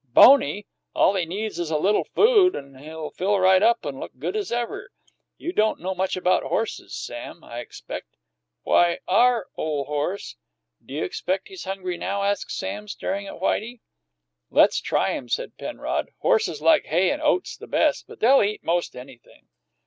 "Bony! All he needs is a little food and he'll fill right up and look good as ever. You don't know much about horses, Sam, I expect. Why, our ole horse " "Do you expect he's hungry now?" asked Sam, staring at Whitey. "Let's try him," said Penrod. "Horses like hay and oats the best, but they'll eat most anything."